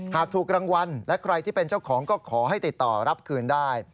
ถูกรางวัลและใครที่เป็นเจ้าของก็ขอให้ติดต่อรับคืนได้